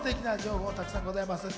ステキな情報たくさんございます。